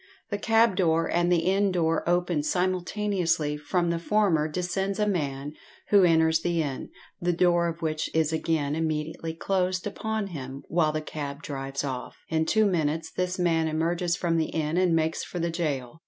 The cab door and the inn door open simultaneously; from the former descends a man, who inters the inn, the door of which is again immediately closed upon him, while the cab drives off. In two minutes this man emerges from the inn and makes for the gaol.